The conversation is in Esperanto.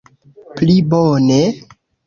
Pli bone?